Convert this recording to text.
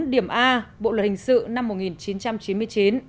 điểm a bộ luật hình sự năm một nghìn chín trăm chín mươi chín